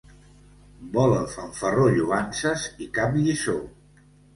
Vol el fanfarró lloances i cap lliçó.